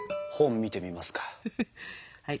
本見てみますか？